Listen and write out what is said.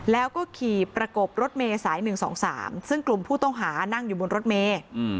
แล้วก็ขี่ประกบรถเมย์สาย๑๒๓ซึ่งกลุ่มผู้ต้องหานั่งอยู่บนรถเมย์